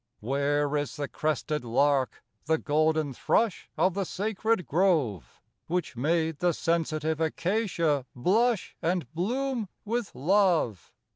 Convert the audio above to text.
2 8 Where is the crested lark, the golden thrush Of the sacred grove, Which made the sensitive accacia blush And bloom with love